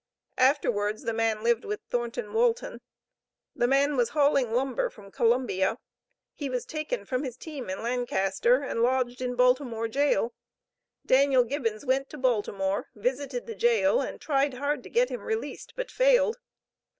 Afterwards the man lived with Thornton Walton. The man was hauling lumber from Columbia. He was taken from his team in Lancaster, and lodged in Baltimore jail. Daniel Gibbons went to Baltimore, visited the jail and tried hard to get him released, but failed.